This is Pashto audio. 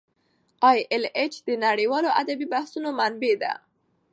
ای ایل ایچ د نړیوالو ادبي بحثونو منبع ده.